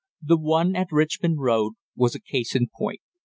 The one at Richmond Road was a case in point.